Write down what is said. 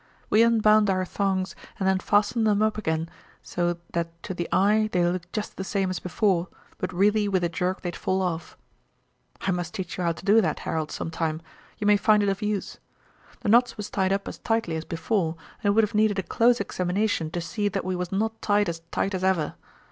We unbound our thongs and then fastened 'em up again so that to the eye they looked jest the same as before but really with a jerk they'd fall off. "I must teach you how to do that, Harold, some time; ye may find it of use. The knots was tied up as tightly as before, and it would have needed a close examination to see that we was not tied as tight as ever.